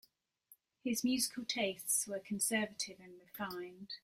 His musical tastes were conservative and refined.